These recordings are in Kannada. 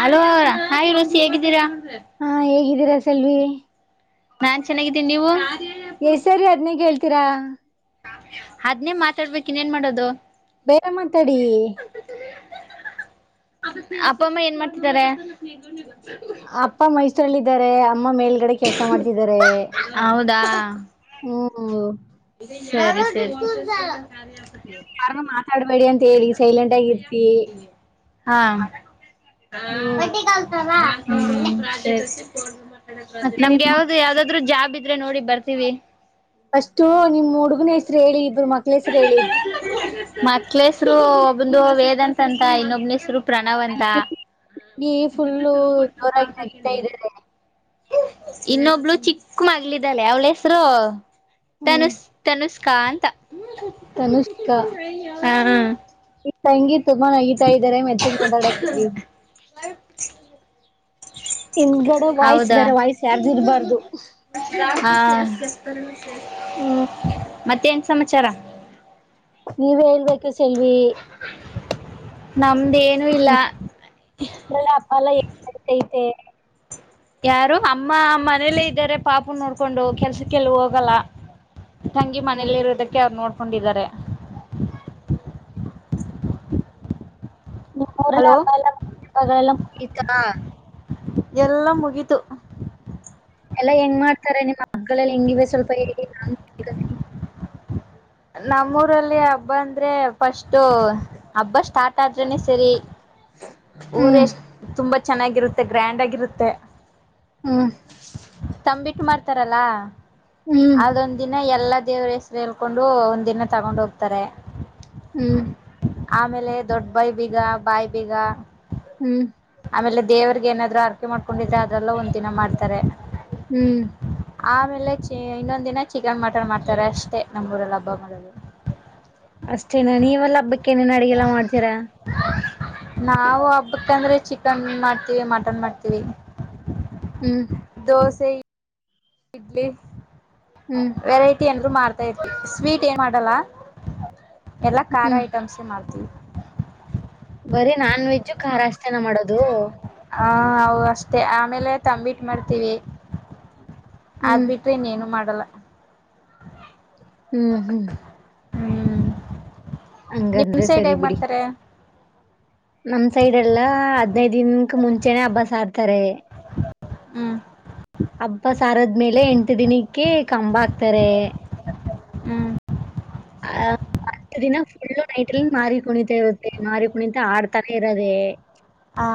ಹಲೋ ಹಾಯ್ ರುಚಿ ಹೇಗಿದ್ದೀರಾ? ಹಾಂ ಹೇಗಿದ್ [unintelligible] ನಾನ್ ಚೆನ್ನಾಗಿದ್ದೀನಿ ನೀವು? ಎಸ್ಸರಿ ಅದನೇ ಕೇಳ್ತೀರಾ? ಅದ್ನೇ ಮಾತಾಡ್ಬೇಕ್ ಇನ್ನೇನ್ ಮಾಡದು? ಬೇರೆ ಮಾತಾಡಿ ಅಪ್ಪಮ್ಮ ಏನ್ ಮಾಡ್ತಿದ್ದಾರೆ ಅಪ್ಪ ಮೈಸೂರಲ್ಲಿ ್ದಾರೆ ಅಮ್ಮ ಮೇಲ್ಗಡೆ ಕೆಲಸ ಮಾಡ್ತಿದ್ದಾರೆ ಹ್ಮ ಹಓ ಸ ಯಾರು ಮಾತಾಡ್ಬೇಡಿ ಅಂತ ಹೇಳಿ ಸೈಲೆಂಟ್ ಆಗಿರ್ತಿ ಹಾ ಹ ಹ್ಮ್ ಕಗಲ್ಸಲ್ಲ ಸರಿ ಮತ್ತೆ ನಮ್ಗೆ ನಿಮ್ ಯಾವ್ದ್ ಯಾವ್ದಾದ್ರು ಜಾಬ್ ಇದ್ರೆ ನೋಡಿ ಬರ್ತ ಇಿವವಿ ಅಷ್ಟು ನಿಮ ಹುಡುಗನ ಹೆಸರು ಹೇಳಿ ಇದಬ್ರು ಮಕ್ಕ ಮಕ್ಳಸರು ಂದು ವೇದಾಂತ ಅಂತ ಇನ್ನೊಬ್ಬನಸರು ಪ್ರಣವಂತ ಅಲ್ಲಿ ಫುಲ್ಲು ಜೋರಾಗಿ ಹಗ್ತಾ ಇದಾರೆ ಇನ್ನೊಬ್ಳ ಚಿಕ್ಕ ಮಗ್ಲಿದಳೆ ಅವಳ ಹೆಸರು ಹ್ಮ್ ತನು ತನು ಕಾಂತ ತನುಷ್ಕಾ ಹ ಸಂಗೀತ ತುಂಬಾ ನಗಿತಾ ಇದಾರೆ ಮೆತ್ತಗ್ ಮಾತಾಡಕ್ಕೆ ಹನ್ಗಡೆ ವಾಯ್ಸ್ ಹೌದಾ ಬೇರೆ ವಾಯ್ಸ್ ಯಾರ್ದು ಇರ್ಬಾರ್ದು ಅ ಹ್ಮ್ ಹ ಮತ್ತೇನ್ ಸಮಾಚಾರ. ನೀವೇ ಹೇಳ್ಬೇಕು ಸೆಲ್ವಿ ನಮ್ದೇ ಅಪ್ಪಲ್ಲಏನ್ತಐತೆ ಯಾರು ಅಮ್ಮ ಮನೇಲ್ಲೇ ಇದ್ದಾರೆ ಪಾಪ ನೋಡ್ಕೊಂಡು ಕೆಲ್ಸಕ್ಕೆಲ್ ಹೋಗಲ್ಲ ತಂಗಿ ಹ್ಮ್. ಮನೇಲಿ ಇರದಕ್ಕೆ ಅವ್ ನೋಡ್ ಕೊಂಡಿದ್ದಾರೆ ರಲ್ಲ ಹಬ್ಬ ಎಲ್ಲ ಹೆಲ್ಲ ಮು ಎಲ್ಲ ಮುಗಿತು ಎಲ್ಲಾ ಹೆಂಗ್ ಮಾಡ್ತಾರೆ ನಿಮ್ಮ್ ಮಕ್ಳಲ್ಲಿ ಹೆಂಗಿವ ಸ್ವಲ್ಪ ನ ನಮ್ಮೂರಲ್ಲಿ ಹಬ್ಬ ಅಂದ್ರೆ ಫಸ್ಟ್ ಹಬ್ಬ ಸ್ಟಾರ್ಟ್ ಆದ್ರನೆ ಸರಿ ಊರ ಹ್ಮ್ ಎಷ್ಟ ತುಂಬಾ ಚೆನ್ನಾಗಿರುತ್ತೆ ಗ್ರ್ಯಾಂಡ್ ಆಗಿರುತ್ತೆ ಹ್ಮ ತರಲ್ಲಾ ಅದೊಂದ ದಿನ ಎಲ್ಲ ದೇವ್ರ ಹೆಸೇಳ್ಕೊಂಡ ಒಂದ ದಿನ ತಗೊಂಡ್ ಹೋಗ್ತಾರೆ ಹ್ಮ್ ಆಮೇಲೆ ದೊಡ್ಡಬಾಯ ಬೀಗ ಬಾಯಿ ಬೀಗ ಹ್ಮ್ ಆಮೇಲೆ ದೇವ್ರರಿಗೆ ಏನಾದ್ರು ಆರ್ಕೆ ಮಾಡ್ಕೊಂಡಿದ್ರೆ ಅದ್ರಲ್ಲ ಒಂದ ದಿನ ಮಾಡ್ತಾರೆ ಹ್ಮ್ ಆಮೇಲೆ ಚ ಇನ್ನೊಂದ ದಿನ ಚಿಕನ್ ಮಟನ್ ಮಾಡ್ತಾರೆ ಅಷ್ಟೇ ನಮ್ಮ್ ಊರಲ್ಲ ಹಬ್ಬಗಳಲ್ಲಿ ಅಷ್ಟೇನ ನೀವೆಲ್ಲ ಹಬ್ಬಕ್ಕೇನೇನ್ ಅಡಗೆಲ್ಲ ಮಾಡ್ತೀರ ನಾವು ಹಬ್ಬಕ್ಕಂದ್ರೆ ಚಿಕನ್ ಮಾಡ್ತೀವಿ ಮಟನ್ ಮಾಡ್ತೀವಿ ಹ್ಮ್ ದೋಸೆ ಇಡ್ಲಿ ಹ್ಮ್ ವೆರೈಟಿ ಎ ಮಾಡ್ತಾ ಇರ್ತಿವಿ ಸ್ವೀಟ್ ಏನ್ ಮಾಡಲ್ಲ ಎಲ್ಲಾ ಖಾರ ಹ್ಮ್ ಐಟಮ್ಸೇ ಮಾಡ್ತೀವಿ ಬರೀ ನಾನ್ ವೆಜ್ಜ್ ಖಾರ ಅಷ್ಟೇನ ಮಾಡೋದು ಹಾ ಹ ಅಷ್ಟೇ ಆಮೇಲೆ ತಂಬಿಟ್ ಮಾಡ್ತೀವಿ ಅದ್ ಹ್ಮ್ ಬಿಟ್ರೆ ಇನ್ೇನು ಮಾಡಲ್ಲ ಹ್ಮ್ ಹ್ಮ್ ಹ್ಮ ನಿಮ್ ಹಂಗಂದ್ರೆ ಸೈಡ್ ಸರಿ ಹಗ್ ಬಿಡಿ ಮಾಡ್ತಾರ ನಮ್ ಸೈಡ್ ಎಲ್ಲಾ ಹದ್ನೈದು. ದನ್ಕ್ ಮುಂಚೆನೇ ಹಬ್ಬಾಸ ಆಡ್ತಾರೆ ಹ್ಮ್. ಹಬ್ಬ ಸಾರದ್ಮೇಲೆ ಎಂಟು ದಿನಕ್ಕೆ ಕಂಬ ಹಾಕ್ತಾರೆ ಹ್ಮ್ ಆ ಹತ್ತು ದಿನ ಫುಲ್ಲು ನೈಟ್ಲ್ಲಿ ಮಾರ ಕುಣಿತಾ ಇರುತ್ತೆ ಮಾರಿ ಕುಣಿತ ಆಡ್ತಾನೆ ಇರೋದೆೇ ಹಾ.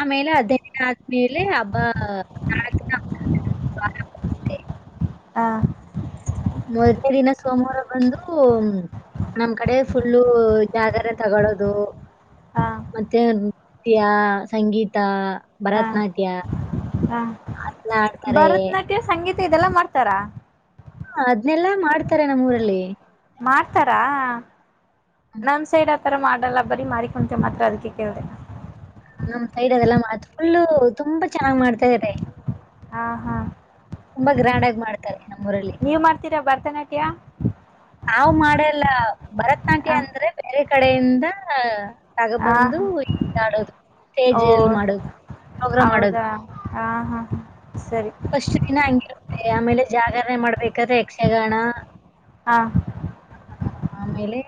ಆಮೇಲೆ ಅಧ್ಯಯನ ಆದ್ಮೇಲೆ ಹಬ್ಬ ನಾಳ. ಹಾ ಮೊದಲೇ ದಿನ ಸೋಮವಾರ ಬಂದು ನಮ್ ಕಡೆ ಫುಲ್ಲು ಜಾಗರೆ ತಗೊಳ್ಳೋದು ಹ ಮತ್ತೆ ನೃತ್ಯ ಸಂಗೀತ ಭರತನಾಟ್ಯ ಹಾ ಎಲ್ಲ ಆಡ್ತಾರೆ ಭರತ್ ನಾಟ್ಯ ಸಂಗೀ ತ ಇದೆಲ್ಲಾ ಮಾಡ್ತಾರ. ಹ ಅದ್ನೆಲ್ಲಾ ಮಾಡ್ತಾರೆ ನಮ್ ಊರಲ್ಲಿ. ಮಾಡ್ತಾರ [unintelligible] ನಮ್ ಸೈಡ್ ಅದ್ ತರ ಮಾಡಲ್ಲ ಬರೀ ಮಾಡಿಕೊಂತೇವಿ ಮಾತ್ರ ಅದ್ಕೆ ಕೇಳ್ದೆ. ನಮ್ ಸೈಡ್ ಅದೆಲ್ಲಾ ಮಾತ್ ಫುಲ್ಲು ತುಂಬಾ ಚೆನ್ನಾಗ್ ಮಾಡ್ತಾರೆ. ಆ ಹ ತುಂಬಾ ಗ್ರ್ಯಾಂಡ್ ಆಗಿ ಮಾಡ್ತಾರೆ. ನಮ್ಮೂರಲ್ಲಿ ನೀವ್ ಮಾಡ್ತೀರಾ ಬರ್ ರ್ತ ನಾಟ್ಯ ನಾವ್ ಮಾಡಲ್ಲ. ಭರತ್ ನಾಟ್ಯ ಹ ಅಂದ್ರೆ ಬೇರೆ ಕಡೆಯಿಂದ ತಗ ಹ ಬಂದು ಇಲ್ಲಿ ಆಡೋದು ಓ ಸ್ಟೇಜ್ ಅಲ್ಲಿ ಮಾಡೋದು ಪ್ರೋಗ್ರಾಮ್ ಮಾಡೋದು. ಹೌದಾ ಹಾ ಹಾ ಸರಿ ಫಸ್ಟ್ ದಿನ ಹಂಗಿರುತ್ತೆ ಆಮೇಲೆ ಜಾಗರಣೆ ಮಾಡ್ಬೇಕದ್ರೆ ಯಕ್ಷಗಾನ ಹಾ ಹ ಆಮೇಲೆ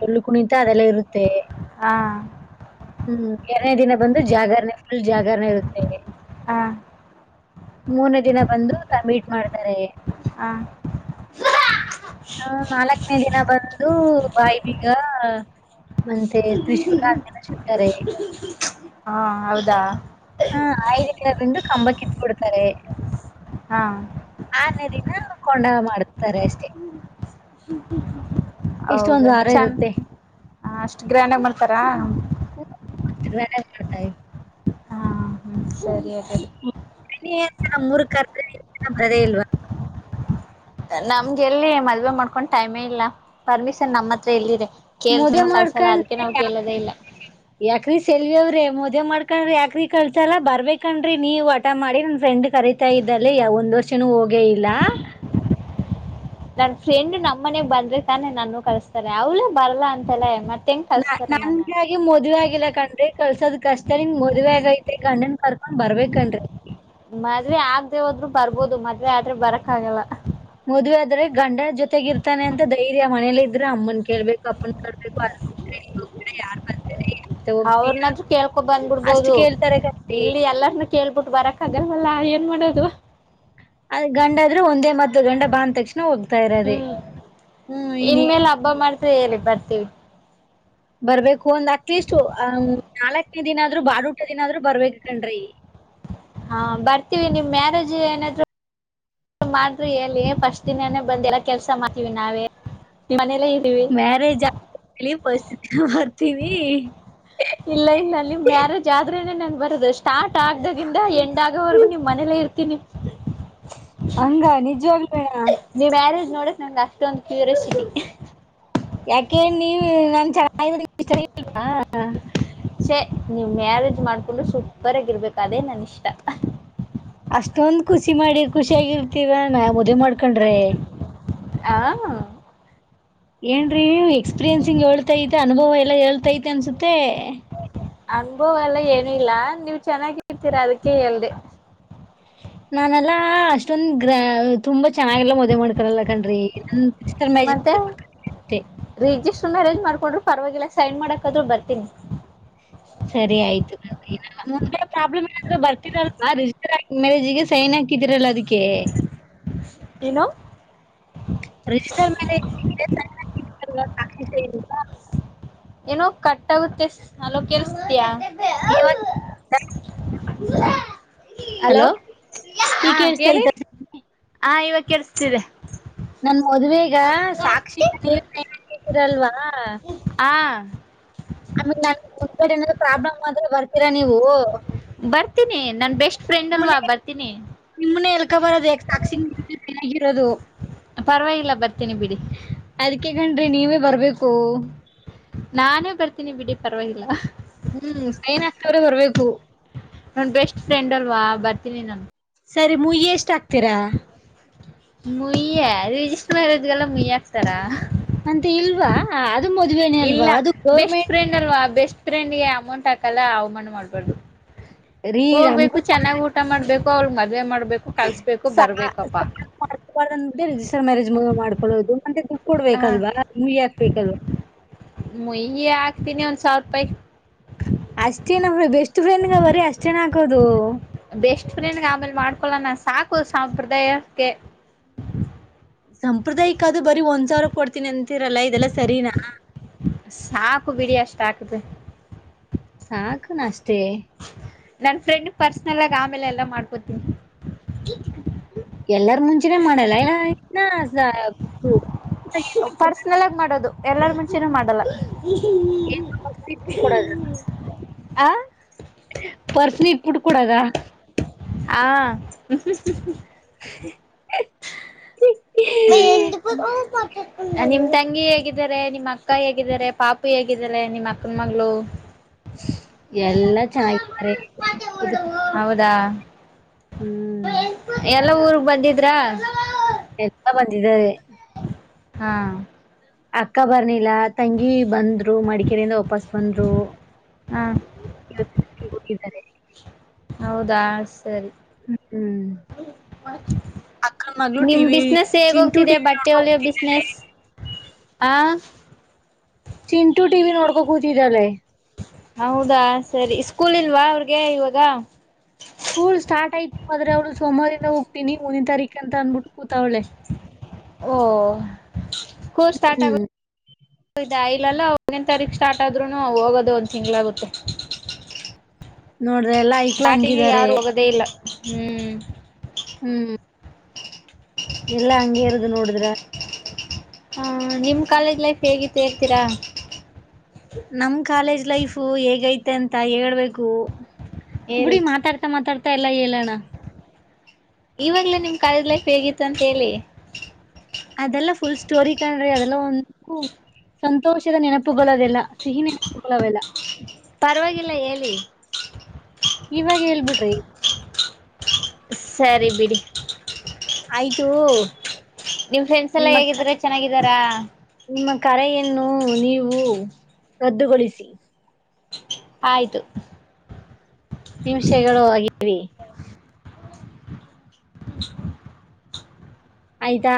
ಡೊಳ್ಳು ಕುಣಿತಾ ಅದೆಲ್ಲ ಇರುತ್ತೆ. ಹಾ ಹ್ಮ್ ಎರನೇ ದಿನ ಬಂದು ಜಾಗರಣೆ ಫುಲ್ ಜಾಗರಣೆ ಇರುತ್ತೆ. ಹ ಮೂರ್ನೇ ದಿನ ಬಂದು ತಂಬಿಟ್ ಮಾಡ್ತಾರೆ. ಆ ಆ ನಾಲ್ಕನೇ ದಿನ ಬಂದು ಬಾಯಿಬೀಗ ಮತ್ತೆ ತ್ರಿಶೂಲ ಆ ದಿನ ಸಿಗ್ತಾರೆ. ಹಾ ಹೌದಾ ಹಾ ಆಯ್ದಕ್ಕೆ ಬಿಂದು ಕಂಬ ಕಿತ್ಬಿಡ್ತಾರೆ. ಹಾ [unintelligible] ದಿನ್ ನ ಕೊಂಡ ಮಾಡ್ತಾರೆ ಅಷ್ಟೇ. ಹೌದ ಇಷ್ಟೊಂದು ವಾರ ಚಂದ್ ಇರುತ್ತೆ ಅ ಅಷ್ಟ್ ಗ್ರ್ಯಾಂಡಾಗ್ ಮಾಡ್ತಾರ. [unintelligible] ಮಾಡ್ತಾಯ್. ಸರಿಯ [unintelligible] ಏನ್ ನಮ್ಮೂರ್ [unintelligible] ಇಲ್ವಾ ನಮ್ಗೆ ಎಲ್ಲಿ ಮದುವೆ ಮಾಡ್ಕೊಂಡ್ ಟೈಮೇ ಇಲ್ಲ ಪರ್ಮಿಷನ್ ನಮ್ಮ ಹತ್ರ ಎಲ್ಲಿದೆ. ಮದೆ ಕೇಳಿದ್ರುನು ಕಲ್ಸಲ್ಲ ಮಾಡ್ಕೊಂ ಅದಕ್ಕೆ ನಾವು ಕೇಳೋದೇ ಇಲ್ಲ [unintelligible] ಯಾಕ್ರಿ ಸೆಲ್ವಿ ಅವ್ರೆ. ಮದುವ ಮಾಡ್ಕೊಂಡ್ರಿ ಯಾಕ್ರಿ ಕಲ್ಸಲ್ಲ ಬರ್ಬೇಕನಾರಿ ನೀವ್ ಹಟ ಮಾಡಿ ನನ್ ಫ್ರೆಂಡ್ ಕರಿತಾ ಇದ್ದಲ್ಲಿ ಒಂದ್ ವರ್ಷನೂ ಹೋಗೇ ಇಲ್ಲ. ನನ್ ಫ್ರೆಂಡ್ ನಮ್ಮ ಮನೆಗ್ ಬಂದ್ರೆ ತಾನೆ ನಾನು ಕಳಸ್ತಾರೆ ಅವಳು ಬರಲ್ಲಾ ಅಂತಾಳೆ ಮತ್ತ. ನಾ ನನ್ಗಾಗಿ ಮದವೆ ಆಗಿಲ್ಲ ಕಣ್ರಿ ಕಲ್ಸದ್ ಕಷ್ಟ ನಿಮ್ಗ ಮದ್ವೆ ಆಗೈತಿ. ಏ ಗಂಡನ್ ಕರ್ಕೊಂಡ್ ಬರ್ಬೇಕನ್ರಿ. ದುವೆ ಆಗ್ದೇ ಹೋದ್ರು ಬರ್ಬೋದು ಮದವೆ ಆದ್ರೆ ಬರಕ್ ಆಗಲ್ಲ. ಮದ್ವೆ ಆದ್ರೆ ಗಂಡ ಜೊತೆಗ ಇರ್ತಾನೆ ಅಂತ ಧೈರ್ಯ ಮನೇಲಿ ಇದ್ರೆ ಅಮ್ಮನ್ ಕೇಳ್ಬೇಕು ಅಪ್ಪನ್ ಕೇಳ್ಬೇಕು ಅ ಯಾರ್ ಬರ್ತಾರಿ. ಅವ್ರನಾದರು ಕೇಳ್ಕೊಂಡು ಬಂದ್ಬಿಡ್ಬೋದು ಕೇಳ್ತಾರೆ ಕಣ್ರೀ ಇಲ್ಲಿ ಎಲ್ಲರನು ಕೇಳ್ಬಿಟ್ಟ ಬರಕ ಆಗಲ್ಲ. ಅಲ್ಲಾ ಏನ್ ಮಾಡೋದು. ಅದ ಗಂಡ ಆದ್ರೂ ಒಂದೇ ಮದ್ದು ಗಂಡ ಬಾ ಅಂದ ತಕ್ಷಣ. ಹೋಗ್ತಾ ಇರೋದೆ ಹ್ಮ್ ಹ್ಮ್ ಇನ್ ಇನ್ನೇನ್ ಮೇಲೆ ಹಬ್ಬ ಮಾಡ್ತ ಹೇಳಿ ಬರ್ ತೀವೀ. ಬರ್ಬೇಕು ಒಂದ್ ಅಟ್ಲೀಸ್ಟ್ ಅ ನಾಲ್ಕನೇ ದಿನ ಆದ್ರು ಬಾಡೂಟಾ ದಿನ ಆದ್ರು ಬರ್ಬೇಕ ಕಣ್ರಿ. ಹಾ ಬರ್ತೀವಿ ನಿಮ್ ಮ್ಯಾರೇಜ್ ಏನಾದ್ರು ಮಾಡ್ರಿ ಹೇಳಿ ಫಸ್ಟ್ ದಿನ ಬಂದ ಎಲ್ಲ ಕೆಲ್ಸ ಮಾಡ್ತೀವಿ ನಾವೇ ಮನೇಲಿ. ಮ್ಯಾರೇಜ್ ಆದಮೇಲೆ ಫಸ್ಟ್. ಆತೀವಿ. ಇಲ್ಲ ಇಲ್ಲ ಅಲ್ಲಿ ಮ್ಯಾರೇಜ್ ಆದೂರು ಮೇಲೆನೆ ನಾನ್ ಬರೋದು ಸ್ಟಾರ್ಟ್ ಆಗ್ದಾಗಿಂದ್ ಎಂಡ್ ಆಗೋವರೆಗೂ ನಿಮ್ಮ ಮನೇಲೆೇ ಇರ್ತೀನಿ. ಹಂಗ ನಿಜವಾಗಲೂ ನೆನಾ. ನೀವ್ ಮ್ಯಾರೇಜ್ ನೋಡಕ್ ನಂಗೆ ಅಷ್ಟೊಂದು ಕ್ಯೂರಿಯಸಿಟಿ. ಯಾಕೆ ನೀವ ನಾ [unintelligible] ಚೆನ್ನ್ರಲ್ವಾ. ಛೇ ನೀವ್ ಮ್ಯಾರೇಜ್ ಮಾಡ್ಕೊಂಡು ಸೂಪರ್ ಆಗಿರ್ಬೇಕು ಅದೇ ನನ್ ಇಷ್ಟ. ಅಷ್ಟೊಂದ್ ಖುಷಿ ಮಾಡಿ ಖುಷಿಯಾಗಿರ್ತೀವಾ ನಾವ್ ಮದುವೆ ಮಾಡ್ಕೊಂಡ್ರೆ. ಹಾ. ಏನ್ರೀ ಎಕ್ಸ್ಪೀರಿಯನ್ಸಿಂಗ್ ಹೇಳ್ತಾಐತೆ ಅನುಭವ ಎಲ್ಲಾ ಹೇಳ್ತೈತೆ ಅನ್ಸುತ್ತೆ. ಅನ್ಭವ ಎಲ್ಲ ಏನು ಇಲ್ಲಾ ನೀವ ಚೆನ್ನಾಗಿರ್ತೀರಾ ಅದಕ್ಕೆ ಹೇಳ್ದೆ. ನಾನೆಲ್ಲಾ ಅಷ್ಟೊಂದ ಗ್ರ ತುಂಬಾ ಚೆನ್ನಾಗೆಲ್ಲ ಮದುವೆ ಮಾಡ್ಕೊಳಲ್ಲ ಕಣ್ರಿ. ಸಿಸ್ಟರ್ ಮತ್ತೆ ಮ್ಯಾರೇಜ್ ಮತ್ತೆ ರಿಜಿಸ್ಟರ್ ಮ್ಯಾರೇಜ ಮಾಡ್ಕೊಂಡ್ರು ಪರವಾಗಿಲ್ಲ ಸೈನ್ ಮಾಡಕ ಆದ್ರು ಬರ್ತೀನಿ. ಸರಿ ಆಯ್ತು ಕಣ್ರಿ. ಮುಂದೆ ಪ್ರಾಬ್ಲಮ್ ಆದ್ರೆ ಬರ್ತಿರಿಲ್ವಾ ರಿಜಿಸ್ಟರ್ ಮ್ಯಾರೇಜ್ಗೆ ಸೈನ್ ಹಾಕಿದೀರಲ್ಲ ಅದಕ್ಕೆ ಏನೋ [unintelligible] [unintelligible] ಏನೋ ಕಟ್ಟಾಗುತ್ತೆ ಹೆಲೋ ಕೆಳಸ್ತಿದೆಯಾ. [unintelligible] [unintelligible] ಹಲೋ ಹಾ ಈಗ ಕೇಳ್ಸ್ತಾ ಕೇಳಿ ಐತ ಹ ಇವಗ್ ಕೇಳ್ಸ್ತಿದೆ. ಮದ್ವೇಗ ಸಾಕ್ಷಿ ನೀವ್ [unintelligible] ರಲ್ವಾ ಹಾ ಆಮೇಲೆ [unintelligible] ಪ್ರಾಬ್ಲಮ್ ಆದ್ರೆ ಬರ್ ತೀರ ನೀವು ಬರ್ತೀನಿ ನನ್ ಬೆಸ್ಟ್ ಫ್ರೆಂಡ್ ಅಲ್ವಾ ಬರ್ತೀನಿ ನಿಮನ್ನೆ ಎಳ್ಕೊಂಡ್ ಬರೋದು ಯಾಕ್ ಸಾಕ್ಷಿ [unintelligible] ಆಗಿರೋದು ಪರವಾಗಿಲ್ಲ ಬರ್ತೀನಿ ಬಿಡಿ ಅದಿಕ್ಕೆ ಗೆನ್ರಿ ನೀವೇ ಬರ್ಬೇಕು. ನಾನೇ ಬರ್ತೀನಿ ಬಿಡಿ ಪರ್ವಾಗಿಲ್ಲ ಅಹ್ ಹ್ಮ್ ಸೈನ್ ಹಾಕ್ದವ್ರೆ ಬರ್ಬೇಕು. ನನ್ ಬೆಸ್ಟ್ ಫ್ರೆಂಡ್ ಅಲ್ವಾ ಬರ್ತೀನಿ ನಾನು. ಸರಿ ಮುಯ್ಯ್ ಎಷ್ಟ್ ಹಾಕ್ ತೀರ? ಯ್ಯ ರಿಜಿಸ್ಟ್ ಮ್ಯಾರೇಜ್ಗೆಲ್ಲ ಮುಯ್ಯಿ ಹಾಕ್ತಾರ. ಅಂತ ಇಲ್ವಾ ಆ ಅದು ಮದುವೇನೆ ಅಲ್ವಾ ಅದು ಗೌರ್ಮೆ ಫ್ರೆಂಡಿಗೆ ಅಮೌಂಟ್ ಹಾಕಲ್ಲ ಅವ್ಮಾನ ಮಾಡ್ಬಾರ್ದು. ರೀ ಹೋಗ್ಬೇಕು ನಮ್ಗೂ ಚೆನ್ನಾಗ್ ಊಟ ಮಾಡ್ಬೇ [unintelligible] ಮದ್ವೆ ಮಾಡ್ [unintelligible] ರಿಜಿಸ್ಟರ್ ಮ್ಯಾರೇಜ್ [unintelligible] ಮಾಡು. [unintelligible] ಹ ಕೊಡ್ಬೇಕಲ್ವಾ ಮುಯ್ ಹಾಕ್ಬೇಕಲ್ವ್ ತಿನಿ ಒಂದ್ ಸಾವ್ರುಪಯ್. ಅಷ್ಟೇನ ಬಿಡು ಬೆಸ್ಟ್ ಫ್ರೆಂಡ್ಗ್ ಬರೀ ಅಷ್ಟೇನ ಹಾಕೋದು? ಬೆಷ್ಟ್ ಫ್ರೆಂಡ್ಗ್ ಆಮೇಲ್ ಮಾಡ್ಕೊಳ್ಳನ ಸಾಕು ಸಾಂಪ್ರದಾಯ ಕ್ಕೆ. ಸಂಪ್ರದಾಯಕ್ ಅದು ಬರೀ ಒಂದ್ ಸಾವ್ರ ಕೊಡ್ತೀನಿ ಅನ್ ತಿರಲ್ಲ ಇದೆಲ್ಲ ಸರೀನಾ? ಕು ಬಿಡಿ ಅಷ್ಟ್ ಆಕದ್ರೆ. ಸಾಕುನ ಅಷ್ಟೇ? ನನ್ ಫ್ರೆಂಡ್ಗ್ ಪರ್ಸನಲ್ ಆಗ್ ಆಮೇಲ್ ಎಲ್ಲಾ ಮಾಡ್ಕೊತೀನಿ. ಎಲ್ಲಾರ್ ಮುಂಚೆನೇ ಮಾಡಲೈಯ್ಲೈಯ್? [unintelligible] ಪರ್ಸನಲ್ ಆಗ್ ಮಾಡೋದು ಎಲ್ಲಾರ ಮುಂಚೆನೂ ಮಾಡಲ್ಲ. ಪರ್ಸ್ನ ಇಟ್ಬಿಟ್ಟು [unintelligible] ಆಂ. ಪರ್ಸ್ನ್ ಇಟ್ಬಿಟ್ ಕೊಡದ. ಆ ಹ್ ಹ್ಮ್ ಹ್ಮ್ ಹ್ಮ್ [unintelligible] ತಂಗಿ ಹೇಗಿದ್ದಾರೆ ನಿಮ್ಮ್ ಅಕ್ಕ ಹೇಗಿದ್ದಾರೆ ಪಾಪು ಹೇಗಿದ್ದಾಳೆ ನಿಮ್ ಅಕ್ಕನ ಮಗಳು. ಎಲ್ಲಾ [unintelligible] ಹೌದಾ ಹ್ಮ್ ಎಲ್ಲ ಊರು ಬಂದಿದ್ರಾ ಎಲ್ಲ ಬಂದಿದ್ದಾರೆ ಹಾ. ಅಕ್ಕಾಭರ್ ನೀಿ. ಎಲ್ಲ ತಂಗಿ ಬಂದ್ರು ಮಡಿಕೇರಿಯಿಂದ ವಾಪಸ್ ಬಂದ್ರು ಹಾ ಹೌದಾ ಸರಿ ಹ್ಮ್ ಅಕ್ಕನ್ ಮಗ್ಳು ನಿಮ ಟಿವಿ ಬಿಸ್ನೆಸ್ ಹೇಗ ಚಿಂಟು ಹೋಗ್ತಿದೆ ಟಿವಿ ಬಟ್ಟೆ ಒಲೆಯ ನೋಡ್ಕೊಂಡ್ಬಿಟ್ಟಿದ್ದಳೆ ಬಿಸ್ನೆಸ್ ಆ ಚಿಂಟು ಟಿವಿ ನೋಡ್ಕೋ ಕೂತಿದ್ದಾರೆೆ ಹೌದಾ ಸರಿ ಸ್ಕೂಲ್ ಇಲ್ವಾ ಅವ್ರಿಗೆ ಇವಾಗ ಸ್ಕೂಲ್ ಸ್ಟಾರ್ಟ್ ಆಯ್ತು ಮದ್ರೆ ಅವ್ಳು ಸೋಮವಾರಿಂದ ಹೋಗ್ತೀನಿ ಮುಂದನಿನ ತಾರೀಕ ಅಂತ ಅನ್ಬಿಟ್ಟು ಕೂತ ಅವ್ಳೆ ಓ ಕೋರ್ಸ್ ಸ್ಟಾರ್ಟ್ ಆಗ ಹ್ಮ್ ಇಲ್ಲಲ್ಲ ಹದ್ೇನ್ ತಾರೀಕ್ ಸ್ಟಾರ್ಟ್ ಆದ್ರುನು ಹೋಗೋದು ಒಂದ್ ತಿಂಗಳಗುತ್ತೆ ನೋಡ್ರ ಎಲ್ಲಾ ಐಕ್ಲ ಹಂಗಿದಾರೆ ಹೋಗೋದೇ ಇಲ್ಲ ಹ್ಮ್. ಹ್ಮ್ ಎಲ್ಲಾ ಹಂಗಗೆ ಇರುದು ನೋಡಿದ್ರ ಹ ನಿಮ್ ಕಾಲೇಜ್ ಲೈಫ್ ಹೇಗಿತ್ತು ತೇ ತಿರ ನಮ್ ಕಾಲೇಜ್ ಲೈಫು ಹೇಗೈತೆ ಅಂತ ಹೇಳ್ಬೇಕು. ಹೇಳಿ ಬುಡಿ ಮಾತಾಡ್ತಾ ಮಾತಾಡ್ತ. ತಲ್ಲ ಇಲಣ. ಇವಾಗ್ಲೇ ನಿಮ್ ಕಾಲೇಜ್ ಲೈಫ್ ಹೇಗಿತ್ತು ಅಂತ ಹೇಳಿ ಅದೆಲ್ಲ ಫುಲ್ ಸ್ಟೋರಿ ಕಣ್ರಿ ಅದೆಲ್ಲ ಒಂದು ಸಂತೋಷದ ನೆನಪುಗಳದೆೆಲ್ಲ ಸಿಹಿ ನೆನಪುಗಳವೆೆಲ್ಲ ಪರವಾಗಿಲ್ಲ ಹೇಳಿ ಇವಾಗ ಹೇಳ್ಬಿಡ್ರಿ ಸರಿ ಬಿಡಿ ಆಯ್ತು. ನಿಮ್ ಫ್ರೆಂಡ್ಸ್ ಎಲ್ಲಾ ನಿಮ್ಮ ಕ ಹೇಗಿದ್ರ ಚೆನ್ನಾಗಿದಾರಾ ನಿಮ್ಮ ಕರೆಯನ್ನು ನೀವು ರದ್ದುಗೊಳಿಸಿ ಆಯ್ತು ನಿಮಿಷಗಳು ಹಾಗ. ಹರಿ. ಆಯದಾ